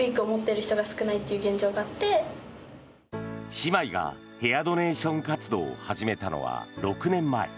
姉妹がヘアドネーション活動を始めたのは６年前。